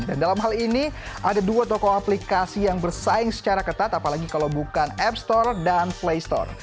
dan dalam hal ini ada dua toko aplikasi yang bersaing secara ketat apalagi kalau bukan app store dan play store